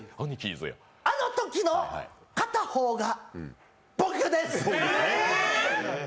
あのときの片方が僕です。